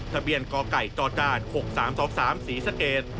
ทะเบียนก่อไก่จอดจาด๖๓๓๓สีสะเกด